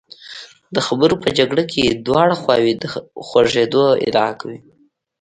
د خبرو په جګړه کې دواړه خواوې د خوږېدو ادعا کوي.